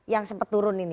yang sempat turun ini